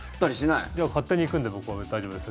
いや、勝手に行くんで僕は大丈夫です。